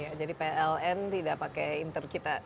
jadi pln tidak pakai inter kita